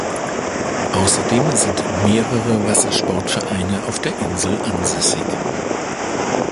Außerdem sind mehrere Wassersportvereine auf der Insel ansässig.